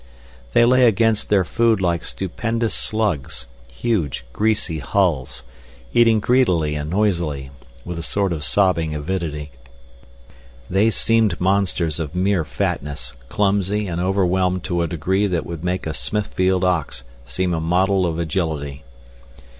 They lay against their food like stupendous slugs, huge, greasy hulls, eating greedily and noisily, with a sort of sobbing avidity. They seemed monsters of mere fatness, clumsy and overwhelmed to a degree that would make a Smithfield ox seem a model of agility.